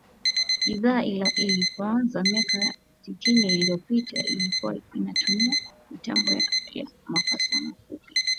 Idhaa ilipoanza miaka ya sitini iliyopita ilikua inatumia mitambo ya masafa mafupi